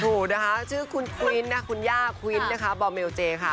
ถูกนะคะชื่อคุณคุ้นคุณย่าคุ้นบอร์เมลเจค่ะ